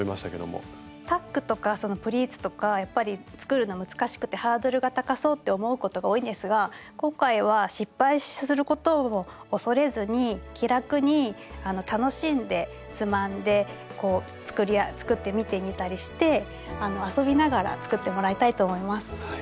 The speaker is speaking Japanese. タックとかプリーツとかやっぱり作るの難しくてハードルが高そうって思うことが多いんですが今回は失敗することを恐れずに気楽に楽しんでつまんでこう作ってみてみたりして遊びながら作ってもらいたいと思います。